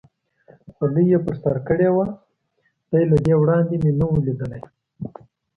خولۍ یې پر سر کړې وه، دی له دې وړاندې مې نه و لیدلی.